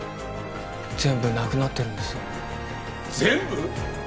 全部なくなってるんです全部？